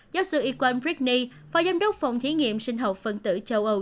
giáo sư egon brickney phó giám đốc phòng thí nghiệm sinh hậu phân tử châu âu